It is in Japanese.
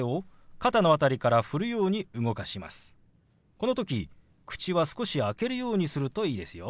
この時口は少し開けるようにするといいですよ。